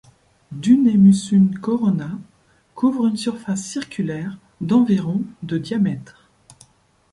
Dunne Musun Corona couvre une surface circulaire d'environ de diamètre.